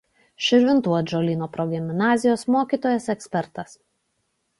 Širvintų „Atžalyno“ progimnazijos mokytojas ekspertas.